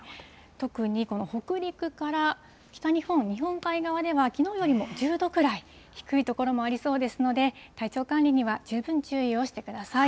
特にこの北陸から北日本、日本海側ではきのうよりも１０度くらい低い所もありそうですので、体調管理には十分注意をしてください。